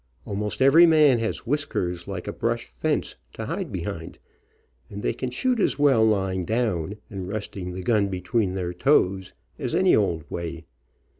Almost every man has whiskers like a THE BOERS AND THE FILIPINOS 13 brush fence, to hide behind, and they can shoot as well lying down, and resting the gun between their toes, as any old way.